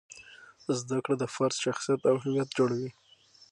زده کړه د فرد شخصیت او هویت جوړوي.